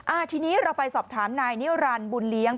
อ่าทีนี้เราไปสอบถามนายเนี่ยโอลานบุญเลี้ยง